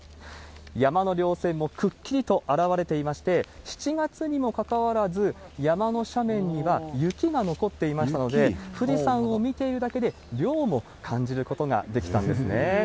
山のりょう線もくっきりと現れていまして、７月にもかかわらず、山の斜面には雪が残っていましたので、富士山を見ているだけで、涼も感じることができたんですね。